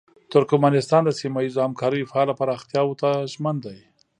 ترکمنستان د سیمه ییزو همکاریو فعاله پراختیاوو ته ژمن دی.